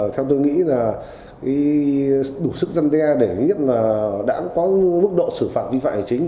theo tôi nghĩ là đủ sức dân đe để thứ nhất là đã có mức độ xử phạt vi phạm hành chính